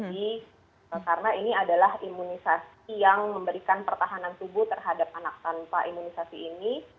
jadi karena ini adalah imunisasi yang memberikan pertahanan tubuh terhadap anak tanpa imunisasi ini